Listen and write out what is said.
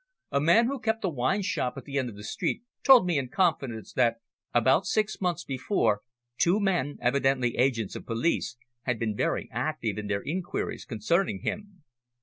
A man who kept a wine shop at the end of the street told me in confidence that about six months before, two men, evidently agents of police, had been very active in their inquiries concerning him.